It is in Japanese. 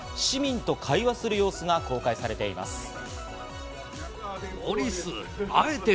市民と会話する様子が公開されています。